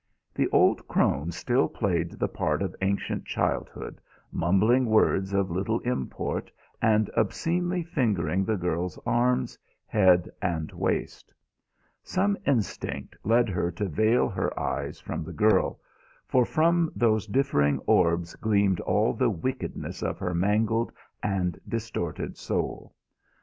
The old crone still played the part of ancient childhood, mumbling words of little import and obscenely fingering the girl's arms, head, and waist. Some instinct led her to veil her eyes from the girl, for from those differing orbs gleamed all the wickedness of her mangled and distorted soul.